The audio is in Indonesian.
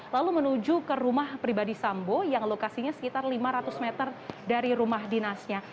lalu menuju ke rumah pribadi sambo yang lokasinya sekitar lima ratus meter dari rumah dinasnya